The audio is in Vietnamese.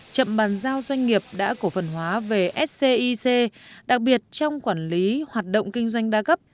chậm bàn giao doanh nghiệp đã cổ phần hóa về scic đặc biệt trong quản lý hoạt động kinh doanh đa cấp